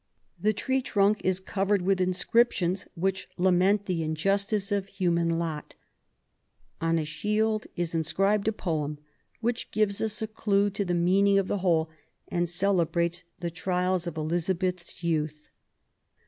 The tree's trunk is covered with inscriptions which lament the injustice of human lot. On a shield is inscribed a poem, which gives us a clue to the meaning of the whole, and celebrates the trials of Elizabeth's youth.